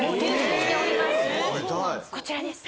こちらです。